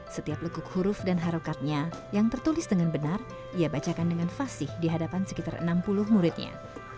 setiap lekuk huruf dan harokatnya yang tertulis dengan benar ia bacakan dengan fasih di hadapan sekitar enam puluh muridnya